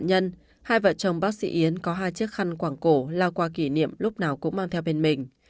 trong hành trình hai vợ chồng bác sĩ yến có hai chiếc khăn quảng cổ lao qua kỷ niệm lúc nào cũng mang theo bên mình